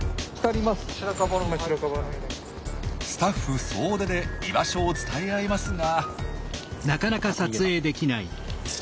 スタッフ総出で居場所を伝え合いますが。